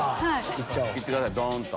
行ってくださいドン！と。